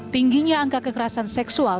tingginya angka kekerasan seksual